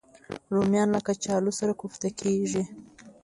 رومیان له کچالو سره کوفته کېږي